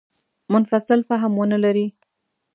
منفصل فهم ونه لري.